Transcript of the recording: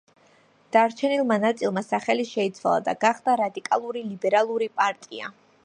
დანარჩენმა ნაწილმა სახელი შეიცვალა და გახდა რადიკალური ლიბერალური პარტია.